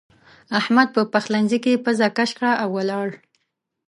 احمد په پخلنځ کې پزه کش کړه او ولاړ.